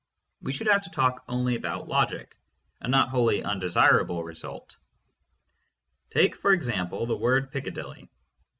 We should have to talk only about logic — a not wholly undesirable result. Take, for example, the word "Piccadilly."